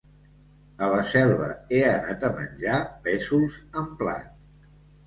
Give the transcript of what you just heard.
A la Selva he anat a menjar pèsols en plat.